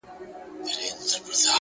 ساده ژوند ژوره خوښي لري!